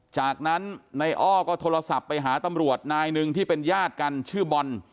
จากนั้นนายอ้อก็โทรศัพท์ไปหาตำรวจนายหนึ่งที่เป็นญาติกันชื่อบอล